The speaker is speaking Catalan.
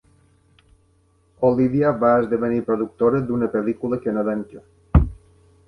Olivia va esdevenir productora d'una pel·lícula canadenca.